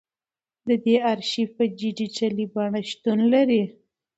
د دې ارشیف په ډیجیټلي بڼه شتون لري.